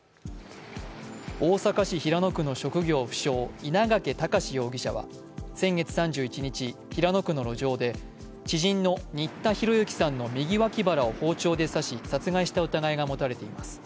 大阪市平野区の職業不詳、稲掛躍容疑者は先月３１日、平野区の路上で知人の新田浩之さんの右脇腹を包丁で刺し殺害した疑いが持たれています。